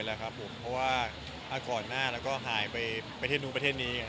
เพราะว่าเขาก่อนหน้าแล้วหายไปเทศนู้นนี้